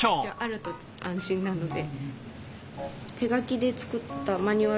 あると安心なので。